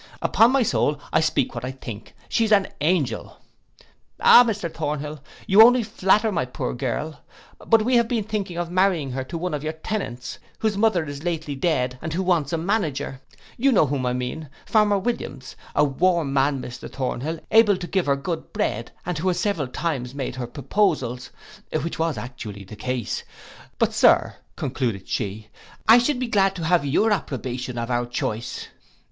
Upon my soul, I speak what I think, she's an angel.'—'Ah, Mr Thornhill, you only flatter my poor girl: but we have been thinking of marrying her to one of your tenants, whose mother is lately dead, and who wants a manager: you know whom I mean, farmer Williams; a warm man, Mr Thornhill, able to give her good bread; and who has several times made her proposals: (which was actually the case) but, Sir,' concluded she, 'I should be glad to have your approbation of our choice.